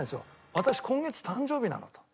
「私今月誕生日なの」と。